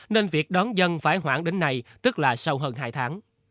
nên việc đón dân phải hoãn đến nay tức là sau hơn hai tháng